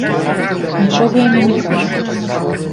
Нічога яно не кажа.